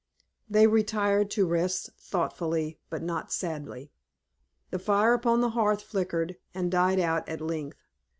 They retired to rest thoughtfully, but not sadly. The fire upon the hearth flickered, and died out at length.